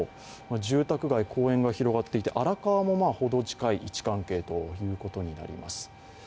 住宅街、公園が広がっていて荒川もほど近い位置関係ということになります